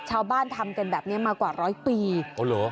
ชาวบ้านทำกันแบบนี้มากว่าร้อยปีโอโหหรอ